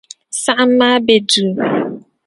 Saɣim maa be duu.